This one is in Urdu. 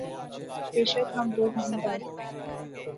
بے شک ہم ووٹ نہیں ڈال سکتے